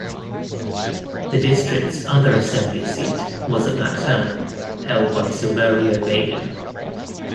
The district's other Assembly seat was at that time held by Silverio Vega.